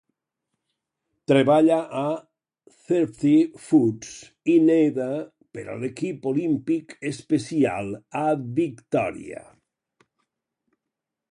Treballa a Thrifty Foods i neda per a l'equip olímpic especial a Victoria.